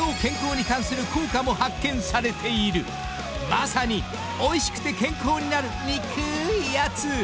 ［まさにおいしくて健康になるにくーいやつ］